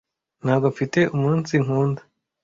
ntabwo mfite umunsi nkunda